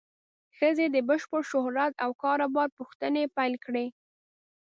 ښځې د بشپړ شهرت او کار و بار پوښتنې پیل کړې.